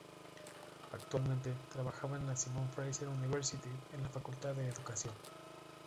Actualmente, trabaja en la Simon Fraser University en la Facultad de Educación.